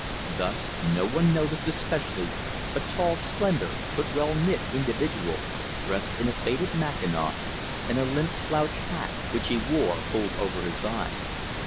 Thus no one noticed especially a tall, slender, but well knit individual dressed in a faded mackinaw and a limp slouch hat which he wore pulled over his eyes.